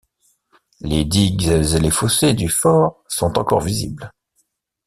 Les digues et les fossés du fort sont encore visibles.